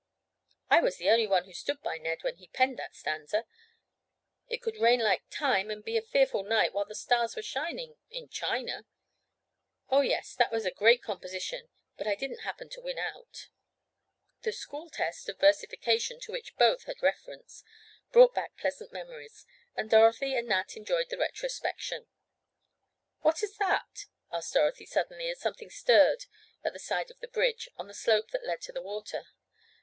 "I was the only one who stood by Ned when he penned that stanza. It could rain like time and be a fearful night while the stars were shining—in China. Oh, yes, that was a great composition, but I didn't happen to win out." The school test of versification, to which both had reference, brought back pleasant memories, and Dorothy and Nat enjoyed the retrospection. "What is that?" asked Dorothy suddenly, as something stirred at the side of the bridge on the slope that led to the water.